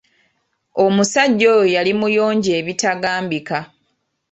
Omusajja oyo yali muyonjo ebitambika.